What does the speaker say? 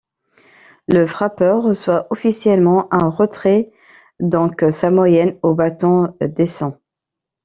Le frappeur reçoit officiellement un retrait donc sa moyenne au bâton descend.